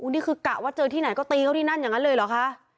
นี่คือกะว่าเจอที่ไหนก็ตีเขาที่นั่นอย่างนั้นเลยเหรอคะ